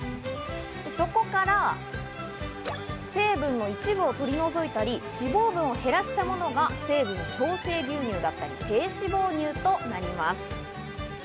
そこから成分の一部を取り除いたり、脂肪分を減らしたものが成分調整牛乳だったり、低脂肪乳となります。